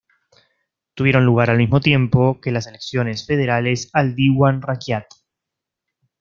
Tuvieron lugar al mismo tiempo que las elecciones federales al Dewan Rakyat.